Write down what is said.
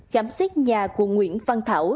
khám xét nhà của nguyễn văn thảo